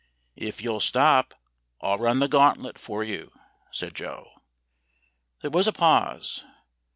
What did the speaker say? "If you'll stop, I'll run the gauntlet for you," said Joe. There was a pause.